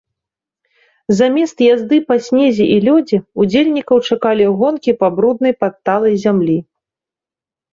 Замест язды па снезе і лёдзе ўдзельнікаў чакалі гонкі па бруднай падталай зямлі.